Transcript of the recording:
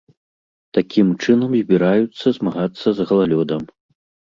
Такім чынам збіраюцца змагацца з галалёдам.